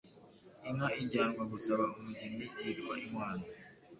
Inka ijyanwa gusaba umugeni yitwa Inkwano